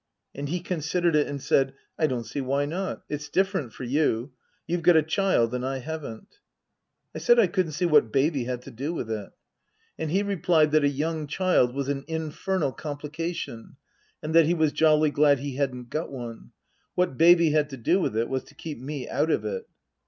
And he considered it and said, " I don't see why not. It's different for you. You've got a child and I haven't." I said I couldn't see what Baby had to do with it. Book III : His Book 255 And he replied that a young child was an infernal compli cation, and that he was jolly glad he hadn't got one. What Baby had to do with it was to keep me out of it.